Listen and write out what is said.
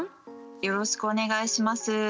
よろしくお願いします。